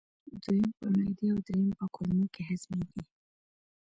دویم په معدې او دریم په کولمو کې هضمېږي.